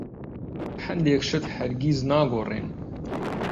هەندێک شت هەرگیز ناگۆڕێن.